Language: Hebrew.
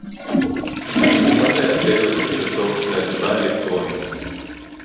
אני מוכן להיעתר לבקשתו להצבעה אלקטרונית